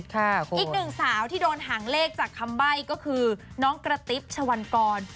อีกหนึ่งสาวที่โดนหางเลขจากคำใบ้ก็คือน้องกระติ๊บชะวันกร